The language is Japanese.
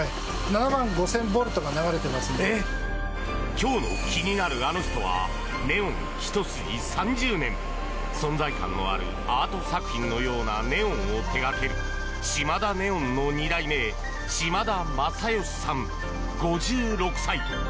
今日の気になるアノ人はネオンひと筋３０年存在感のあるアート作品のようなネオンを手掛けるシマダネオンの２代目島田真嘉さん、５６歳。